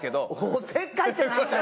おせっかいってなんだよ！